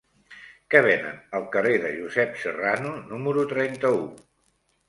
Què venen al carrer de Josep Serrano número trenta-u?